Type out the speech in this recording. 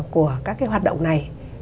của các cái hoạt động này